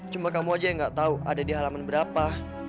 cuma kamu aja yang nggak tahu ada di halaman berapa